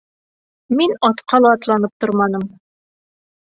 Мин атҡа ла атланып торманым.